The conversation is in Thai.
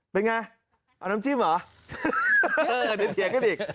เป็นไงเอาน้ำจิ้มเหรอ